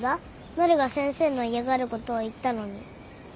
なるが先生の嫌がることを言ったのに。